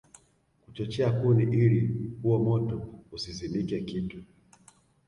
kuchochea kuni ili huo moto usizimike Kitu